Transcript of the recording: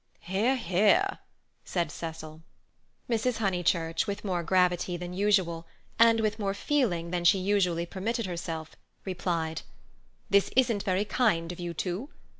"Hear, hear!" said Cecil. Mrs. Honeychurch, with more gravity than usual, and with more feeling than she usually permitted herself, replied: "This isn't very kind of you two.